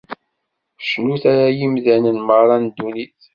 Cnut a imdanen merra n ddunit!